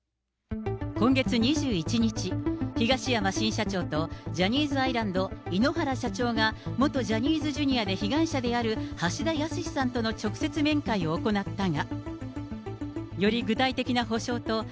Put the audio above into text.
今月２１日、東山新社長とジャニーズアイランド、井ノ原社長が元ジャニーズＪｒ．で被害者である橋田やすしさんとの直接面会を行ったが。